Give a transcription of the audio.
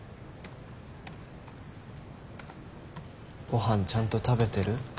ご飯ちゃんと食べてる？